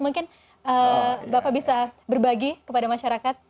mungkin bapak bisa berbagi kepada masyarakat